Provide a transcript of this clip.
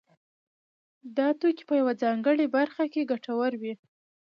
دا توکي په یوه ځانګړې برخه کې ګټور وي